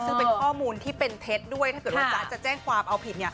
ซึ่งเป็นข้อมูลที่เป็นเท็จด้วยถ้าเกิดว่าจ๊ะจะแจ้งความเอาผิด